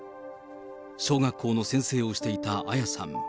小学校の先生をしていた彩さん。